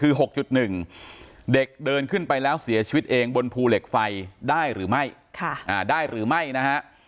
คือ๖๑เด็กเดินขึ้นไปแล้วเสียชีวิตเองบนภูเหล็กไฟได้หรือไม่ได้หรือไม่นะฮะ